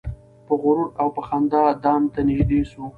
په غرور او په خندا دام ته نیژدې سو